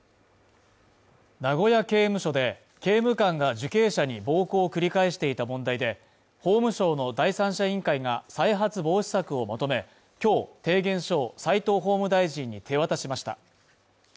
名古屋刑務所で刑務官が受刑者に暴行を繰り返していた問題で、法務省の第三者委員会が再発防止策をまとめ、今日提言書を斎藤法務大臣に手渡しました。